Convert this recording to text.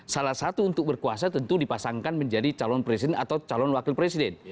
salah satu untuk berkuasa tentu dipasangkan menjadi calon presiden atau calon wakil presiden